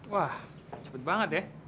wah cepet banget ya